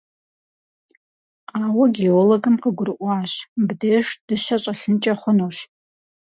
Ауэ геологым къыгурыӀуащ: мыбдеж дыщэ щӀэлъынкӀэ хъунущ.